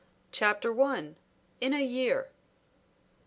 CHAPTER I. IN A YEAR.